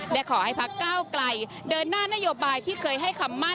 และขอให้พักก้าวไกลเดินหน้านโยบายที่เคยให้คำมั่น